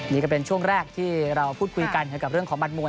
นี่ก็เป็นช่วงแรกที่เราพูดคุยกันเกี่ยวกับเรื่องของบัตรมวย